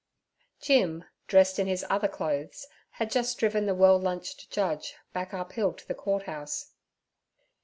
Jim, dressed in his 'other clothes' had just driven the well lunched Judge back uphill to the Court House.